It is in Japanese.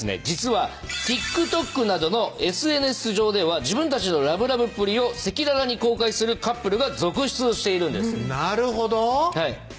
実はＴｉｋＴｏｋなどのＳＮＳ上では自分たちのラブラブっぷりを赤裸々に公開するカップルが続出しているんですなるほど！